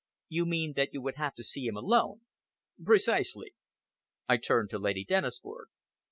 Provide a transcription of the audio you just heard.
"You mean that you would have to see him alone?" "Precisely!" I turned to Lady Dennisford.